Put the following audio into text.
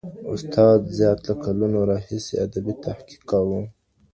استاد زیار له کلونو راهیسې ادبي تحقیق کاوه.